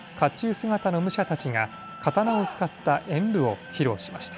姿の武者たちが刀を使った演武を披露しました。